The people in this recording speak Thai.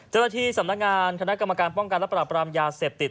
เจ้าหน้าที่สำนักงานคณะกรรมการป้องกันและปราบรามยาเสพติด